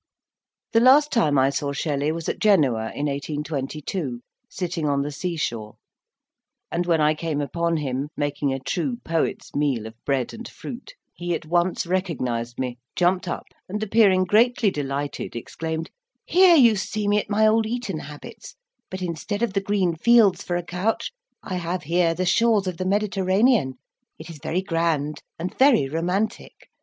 The last time I saw Shelley was at Genoa, in 1822, sitting on the sea shore, and, when I came upon him, making a true poet's meal of bread and fruit; He at once recognized me, jumped up, and appearing greatly delighted, exclaimed, "Here you see me at my old Eton habits; but instead of the green fields for a couch, I have here the shores of the Mediterranean. It is very grand, and very romantic.